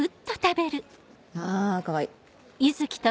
あぁかわいい。